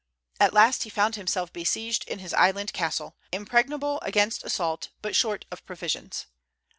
At last he found himself besieged in his island castle, impregnable against assault, but short of provisions.